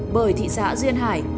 bởi thị xã duyên hải